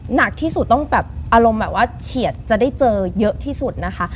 หนักที่สุดต้องแบบอารมณ์แบบว่าเฉียดจะได้เจอเยอะที่สุดนะคะ